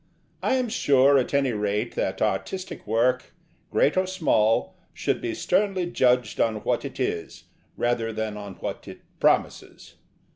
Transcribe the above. I am sure at any rate that artistic work, great or small, should be sternly judged on what it is rather than on what it promises.